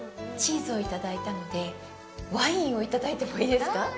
チーズをいただいたのでワインをいただいてもいいですか。